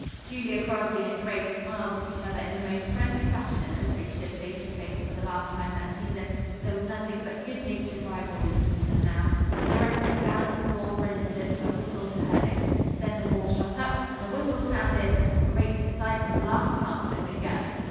Julia Crosby and Grace smiled at each other in the most friendly fashion as they stood face to face for the last time that season. There was nothing but good natured rivalry between them now. The referee balanced the ball for an instant, her whistle to her lips. Then the ball shot up, her whistle sounded and the great decisive last half had begun.